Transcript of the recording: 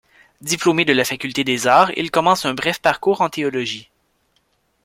Diplômé de la faculté des arts, il commence un bref parcours en théologie.